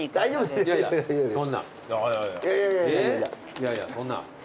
いやいやそんな。